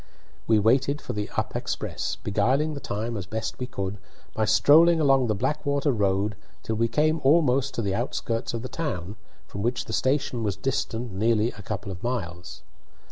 We waited for the up express, beguiling the time as best we could by strolling along the Blackwater road till we came almost to the outskirts of the town, from which the station was distant nearly a couple of miles.